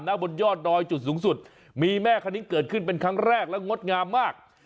บนยอดดอยจุดสูงสุดมีแม่คณิ้งเกิดขึ้นเป็นครั้งแรกและงดงามมาก